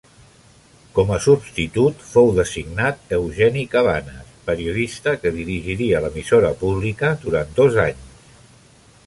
Com a substitut fou designat Eugeni Cabanes, periodista que dirigiria l'emissora pública durant dos anys.